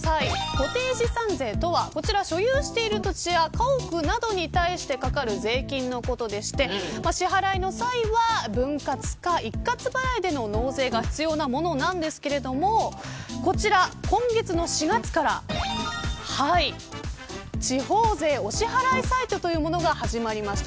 固定資産税とは所有している土地や家屋などにかかる税金のことで、支払いの際は分割か一括払いでの納税が必要なものなんですがこちら、今月の４月から地方税お支払サイトが始まりました。